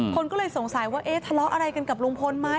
คนก็เลยสงสัยว่าเอ๊ะทะเลาะอะไรกันกับลุงพลไหม